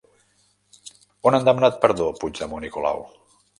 On han demanat perdó Puigdemont i Colau?